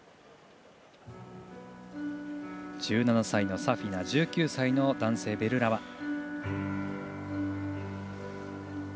１７歳のサフィナ１９歳のベルラワ。